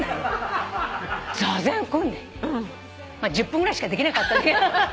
１０分ぐらいしかできなかった。